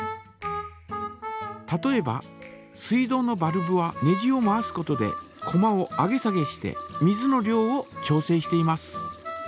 例えば水道のバルブはネジを回すことでこまを上げ下げして水の量を調整しています。